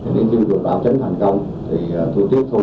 thì nếu như được bảo chấn thành công thì tôi tiếp thu